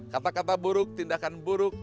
kata kata buruk tindakan buruk